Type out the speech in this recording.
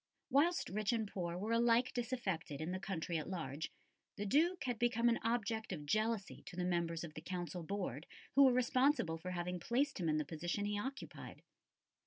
Whilst rich and poor were alike disaffected in the country at large, the Duke had become an object of jealousy to the members of the Council Board who were responsible for having placed him in the position he occupied.